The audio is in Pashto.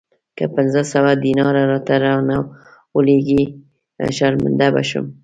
که پنځه سوه دیناره راته را ونه لېږې شرمنده به شم.